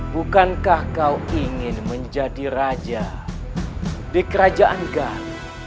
bukankah kau ingin menjadi raja di kerajaan gar